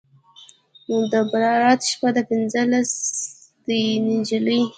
د براته شپه ده پنځلسی دی نجلۍ